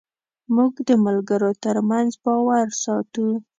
موږ د ملګرو تر منځ باور ساتو.